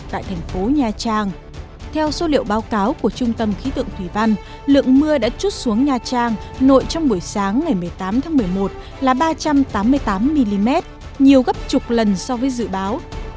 tại thành phố nha trang theo số liệu báo cáo của trung tâm khí tượng thủy văn lượng mưa đã chút xuống nha trang nội trong buổi sáng ngày một mươi tám tháng một mươi một là ba trăm tám mươi tám mm nhiều gấp chục lần so với dự báo